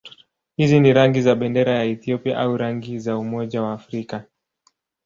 Hizi ni rangi za bendera ya Ethiopia au rangi za Umoja wa Afrika.